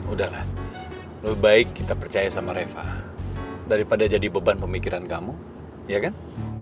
udahlah lebih baik kita percaya sama reva daripada jadi beban pemikiran kamu ya kan